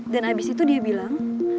dan abis itu dia bilang